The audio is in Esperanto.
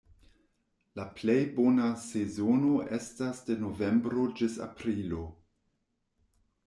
La plej bona sezono estas de novembro ĝis aprilo.